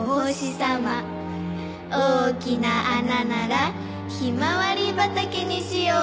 大きな穴ならひまわり畑にしよう！